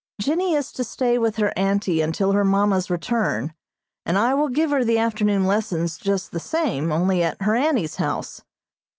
Jennie is to stay with her auntie until her mamma's return, and I will give her the afternoon lessons just the same, only at her auntie's house.